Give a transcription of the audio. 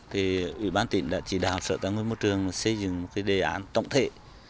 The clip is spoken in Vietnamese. thì ủy ban tỉnh đã chỉ đạo sở tăng môi trường xây dựng một đề án tổng thể